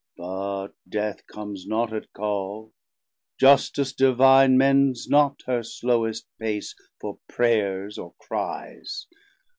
But Death comes not at call, Justice Divine Mends not her slowest pace for prayers or cries.